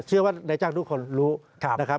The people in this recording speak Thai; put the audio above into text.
เชื่อว่านายจ้างทุกคนรู้นะครับ